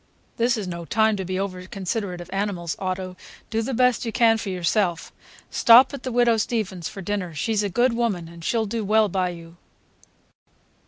"This is no time to be over considerate of animals, Otto; do the best you can for yourself. Stop at the Widow Steavens's for dinner. She's a good woman, and she'll do well by you."